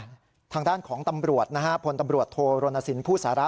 ทางด้านของตำรวจนะฮะพลตำรวจโทรณสินผู้สาระ